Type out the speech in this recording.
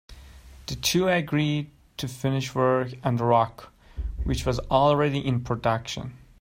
The two agreed to finish work on "The Rock", which was already in production.